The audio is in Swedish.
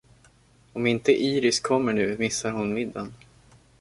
Om inte Iris kommer nu missar hon middagen.